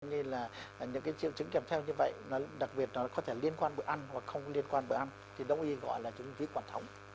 như là những cái triệu chứng kèm theo như vậy đặc biệt nó có thể liên quan bữa ăn hoặc không liên quan bữa ăn thì đồng ý gọi là chứng viết hoàn thống